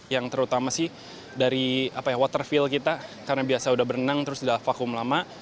yang terutama sih dari waterfill kita karena biasa udah berenang terus udah vakum lama